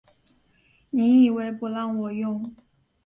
你以为不让我用